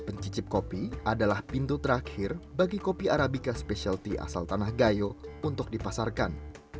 pencicip kopi adalah pintu terakhir bagi kopi arabica specialty asal tanah gayo untuk dipasarkan